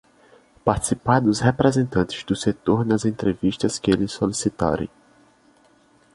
Participar dos representantes do setor nas entrevistas que eles solicitarem.